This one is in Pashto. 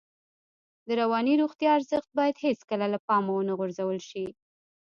د رواني روغتیا ارزښت باید هېڅکله له پامه ونه غورځول شي.